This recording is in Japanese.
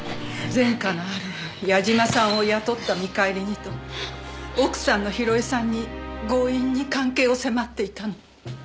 前科のある矢嶋さんを雇った見返りにと奥さんの広江さんに強引に関係を迫っていたの。